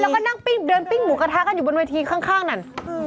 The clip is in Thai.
เราก็นั่งไปแปลกบิงหมูกระทะอยู่บนวิทีข้างนั่น